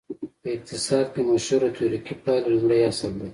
په اقتصاد کې مشهوره تیوریکي پایله لومړی اصل دی.